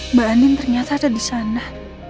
mbak anin ternyata ada di sana